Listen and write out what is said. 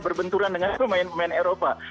berbenturan dengan pemain pemain eropa